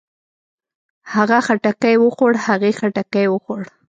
هغۀ خټکی وخوړ. هغې خټکی وخوړ.